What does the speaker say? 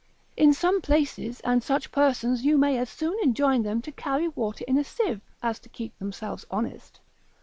In some places, and such persons you may as soon enjoin them to carry water in a sieve, as to keep themselves honest.